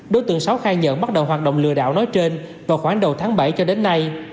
đối tượng sáu khai nhận bắt đầu hoạt động lừa đảo nói trên vào khoảng đầu tháng bảy cho đến nay